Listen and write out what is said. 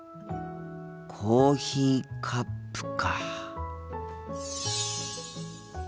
コーヒーカップか。